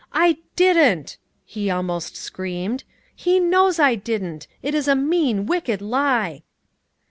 "I didn't!" he almost screamed. "He knows I didn't! It is a mean, wicked lie!"